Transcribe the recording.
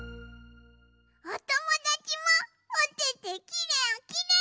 おともだちもおててきれいきれい！